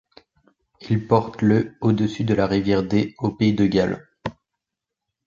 Il porte le au-dessus de la rivière Dee, au Pays de Galles.